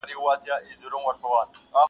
مور تر ټولو زياته ځورېږي تل-